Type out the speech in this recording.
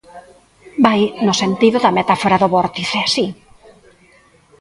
Vai no sentido da metáfora do vórtice, si.